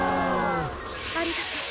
ありがとう。